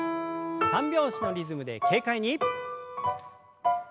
三拍子のリズムで軽快に。